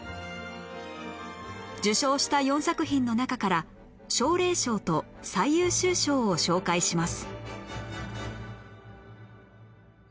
受賞した４作品の中から奨励賞と最優秀賞を紹介します